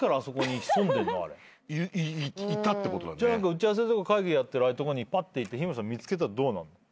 打ち合わせとか会議やってるああいうとこにぱっていて日村さん見つけたらどうなんの？